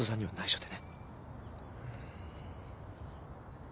はい。